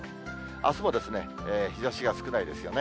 あすも日ざしが少ないですよね。